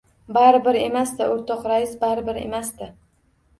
— Baribir emas-da, o‘rtoq rais, baribir emas-da.